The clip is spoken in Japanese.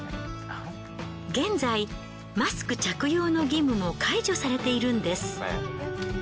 現在マスク着用の義務も解除されているんです。